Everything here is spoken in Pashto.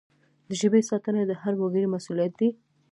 د ژبي ساتنه د هر وګړي مسؤلیت دی.